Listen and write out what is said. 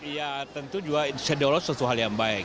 ya tentu juga insya allah sesuatu hal yang baik